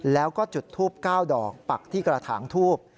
แล้วก็จุดทูบ๙ดอกปักที่กระถางทูบ